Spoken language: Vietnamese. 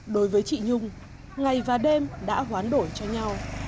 đối với chị nhung ngày và đêm đã hoán đổi cho nhau